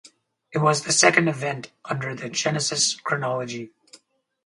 It was the second event under the Genesis chronology.